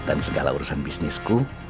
dan segala urusan bisnisku